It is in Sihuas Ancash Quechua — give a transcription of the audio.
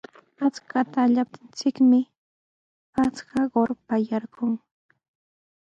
Akshuta allaptinchikmi achka kurpa yarqun.